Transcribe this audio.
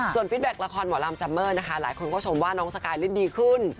ส่วนฟิตแบ็คละครหมอลำซัมเมอร์นะคะหลายคนก็ชมว่าน้องสกายเล่นดีขึ้น